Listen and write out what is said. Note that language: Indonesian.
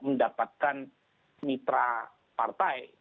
mendapatkan mitra partai